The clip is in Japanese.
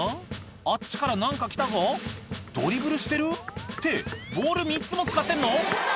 あっちから何か来たぞドリブルしてる？ってボール３つも使ってんの？